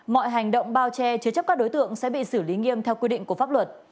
mọi hành động bao che chứa chấp các đối tượng sẽ bị xử lý nghiêm theo quy định của pháp luật